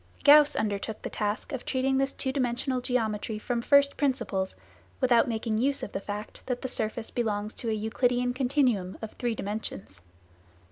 Gauss undertook the task of treating this two dimensional geometry from first principles, without making use of the fact that the surface belongs to a Euclidean continuum of three dimensions.